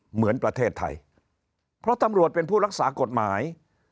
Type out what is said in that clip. เหมือนประเทศไทยเพราะตำรวจเป็นผู้รักษากฎหมาย